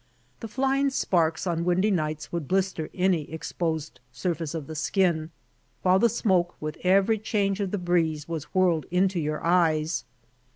Tlie flying sparks on windy nights would blister any exposed surface of the skin, while the smoke with every change of the breeze was whirled into your eyes.